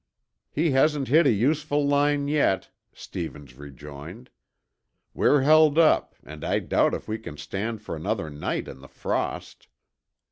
"He hasn't hit a useful line yet," Stevens rejoined. "We're held up, and I doubt if we can stand for another night in the frost."